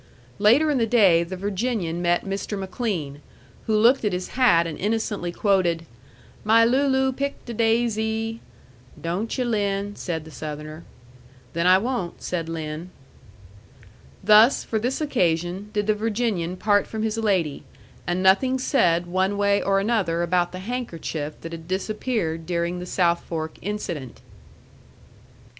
Later in the day the Virginian met Mr. McLean, who looked at his hat and innocently quoted, "'My Looloo picked a daisy.'" "Don't yu', Lin," said the Southerner. "Then I won't," said Lin. Thus, for this occasion, did the Virginian part from his lady and nothing said one way or another about the handkerchief that had disappeared during the South Fork incident.